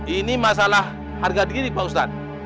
ini masalah harga diri pak ustadz